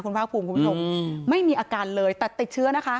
ภาคภูมิคุณผู้ชมไม่มีอาการเลยแต่ติดเชื้อนะคะ